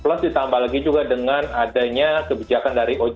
plus ditambah lagi juga dengan adanya kebijakan yang lebih tinggi